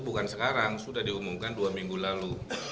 bukan sekarang sudah diumumkan dua minggu lalu